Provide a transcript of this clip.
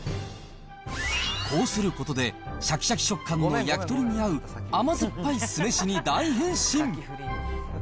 こうすることで、しゃきしゃき食感の焼き鳥に合う甘酸っぱい酢飯に大変身。